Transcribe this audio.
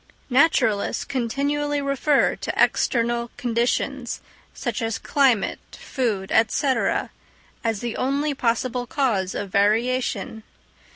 Naturalists continually refer to external conditions, such as climate, food, &c., as the only possible cause of variation.